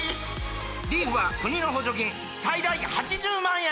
リーフは国の補助金最大８０万円！